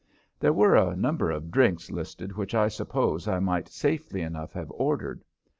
There were a number of drinks listed which I suppose I might safely enough have ordered.